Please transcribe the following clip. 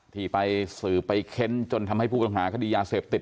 ที่ไปสืบไปเค้นจนทำให้ผู้ต้องหาคดียาเสพติด